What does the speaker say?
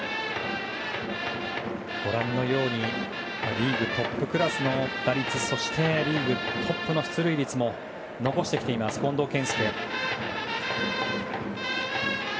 リーグトップクラスの打率そしてリーグトップの出塁率も残してきている近藤健介。